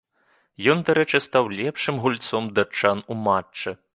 Ён, дарэчы, стаў лепшым гульцоў датчан у матчы.